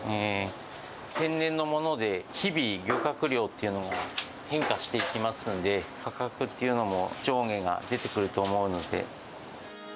天然のもので日々、漁獲量っていうのが、変化していきますんで、価格っていうのも、上下が出てくると思うので。